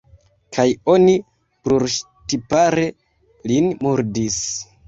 Kaj oni brulŝtipare lin murdis.